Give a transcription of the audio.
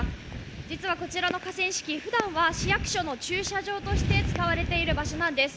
実はこちらの河川敷、ふだんは市役所の駐車場として使われている場所なんです。